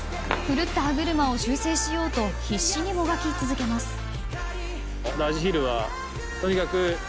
狂った歯車を修正しようと必死にもがき続けます。